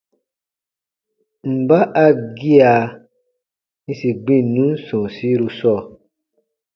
Mba a gia yĩsi gbinnun sɔ̃ɔsiru sɔɔ?